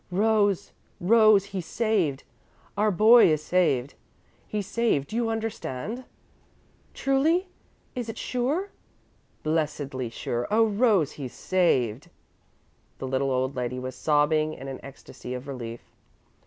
"Rose! Rose! he's saved! Our boy is saved! He's saved, do you understand?" "Truly? Is it sure?" "Blessedly sure! Oh, Rose, he's saved!" The little old lady was sobbing in an ecstasy of relief.